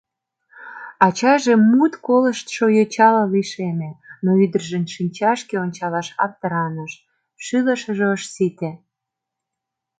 Ачаже мут колыштшо йочала лишеме, но ӱдыржын шинчашке ончалаш аптыраныш, шӱлышыжӧ ыш сите.